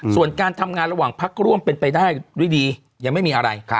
ส่วนการทำงานระหว่างพักร่วมเป็นไปได้ด้วยดียังไม่มีอะไร